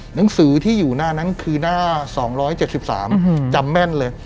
หนังสือที่อยู่หน้านั้นคือหน้า๒๗๓จำแม่นเลย